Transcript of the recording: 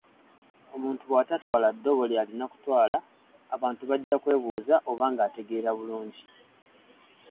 Omuntu bw'atatwala ddobo ly’alina kutwala, abantu bajja kwebuuza oba ng’ategeera bulungi.